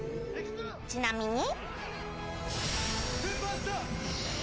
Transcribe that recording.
ちなみに。